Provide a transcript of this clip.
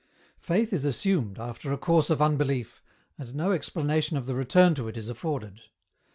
Faith is assumed, after a course of unbelief, and no ex planation of the return to it is afforded.